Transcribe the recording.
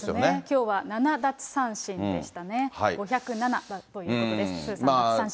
きょうは７奪三振でしたね、５０７ということです、通算奪三振。